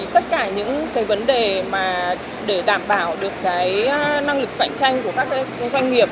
tất cả những cái vấn đề mà để đảm bảo được cái năng lực cạnh tranh của các doanh nghiệp